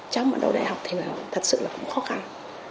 cháu mà đâu đại học thì thật sự là cũng khó khăn